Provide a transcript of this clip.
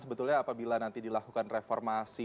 sebetulnya apabila nanti dilakukan reformasi